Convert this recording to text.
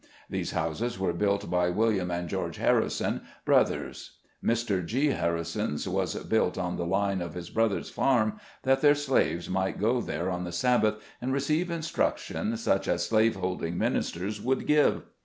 These houses were built by William and George Harrison, brothers. Mr. G. Harrison's was built on the line of his brother's farm, that their slaves might go there on the Sabbath and receive instruction, such as slave holding ministers would give.